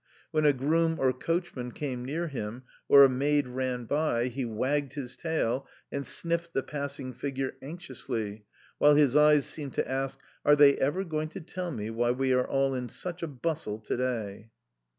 When a groom or coach man came near him or a maid ran by, he wagged his tail and sniffed the passing figure anxiously, while his eyes seemed to ask :" Are they ever going to tell me why we are all in such a bustle to day